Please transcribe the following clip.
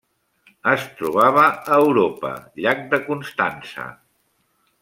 Es trobava a Europa: llac de Constança.